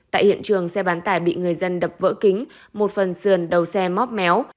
tại hiện trường xe bán tải bị người dân đập vỡ kính một phần sườn đầu xe móc méo